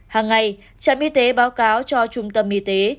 hàng ngày trạm y tế báo cáo cho trung tâm y tế